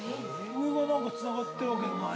上がなんか、つながってるわけでもない。